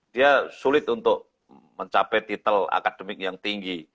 dia sulit untuk mencapai titel akademik yang tinggi